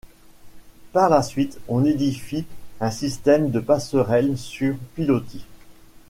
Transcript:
Par la suite, on édifie un système de passerelles sur pilotis.